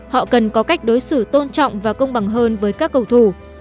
họ cần có cách đối xử tôn trọng và công bằng hơn với các cầu thủ